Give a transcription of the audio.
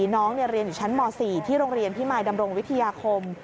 น้องเรียนอยู่ชั้นม๔ที่โรงเรียนพิมายดำรงวิทยาคม